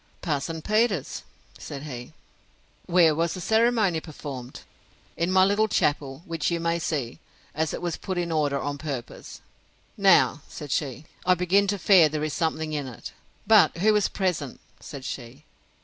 Parson Peters, said he. Where was the ceremony performed? In my little chapel, which you may see, as it was put in order on purpose. Now, said she, I begin to fear there is something in it! But who was present? said she.